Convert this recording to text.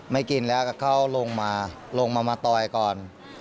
ไม่กินแล้วก็เขาลงมาลงมามาต่อยก่อน